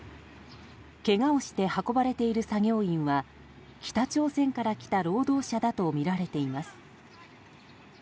けがをして運ばれている作業員は北朝鮮から来た労働者だとみられています。